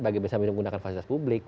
bagi bisa menggunakan fasilitas publik